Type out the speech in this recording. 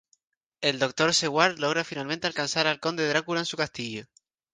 El Doctor Seward logra finalmente alcanzar al Conde Drácula en su castillo.